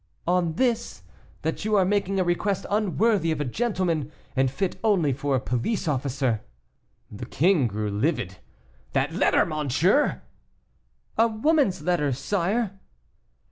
"On this, that you are making a request unworthy of a gentleman, and fit only for a police officer." The king grew livid. "That letter, monsieur!" "A woman's letter, sire."